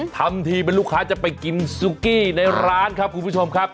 ทำทีเป็นลูกค้าจะไปกินซุกี้ในร้านครับคุณผู้ชมครับ